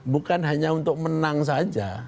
bukan hanya untuk menang saja